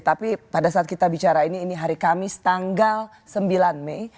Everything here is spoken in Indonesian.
tapi pada saat kita bicara ini ini hari kamis tanggal sembilan mei